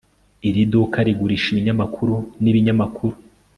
Iri duka rigurisha ibinyamakuru nibinyamakuru